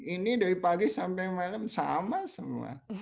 ini dari pagi sampai malam sama semua